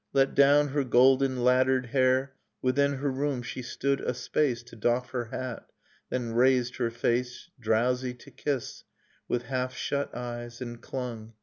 Let down her golden laddered hair ... Within her room, she stood a space To doff her hat; then raised her face Drowsy, to kiss, with half shut eyes, And clung.